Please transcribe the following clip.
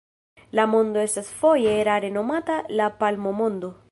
La Mondo estas foje erare nomata La Palmo-Mondo.